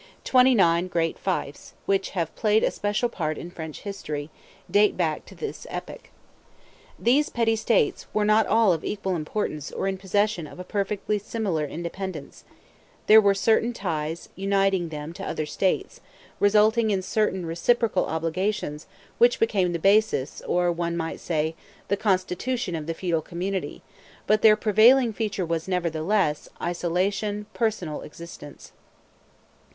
Twenty nine great fiefs, which have played a special part in French history, date back to this epoch. These petty states were not all of equal importance or in possession of a perfectly similar independence; there were certain ties uniting them to other states, resulting in certain reciprocal obligations which became the basis, or, one might say, the constitution of the feudal community; but their prevailing feature was, nevertheless, isolation, personal existence.